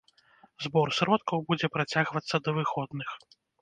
Збор сродкаў будзе працягвацца да выходных.